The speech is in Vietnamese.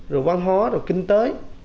rồi văn hóa rồi kinh tế